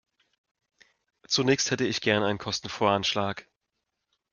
Zunächst hätte ich gerne einen Kostenvoranschlag.